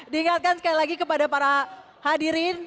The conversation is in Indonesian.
diingatkan sekali lagi kepada para hadirin